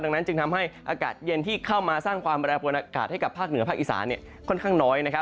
ดังนั้นจึงทำให้อากาศเย็นที่เข้ามาสร้างความแปรปวนอากาศให้กับภาคเหนือภาคอีสานค่อนข้างน้อย